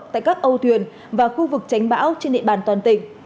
tại các âu thuyền và khu vực tránh bão trên địa bàn toàn tỉnh